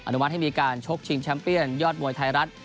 นุมัติให้มีการชกชิงแชมป์เปียนยอดมวยไทยรัฐ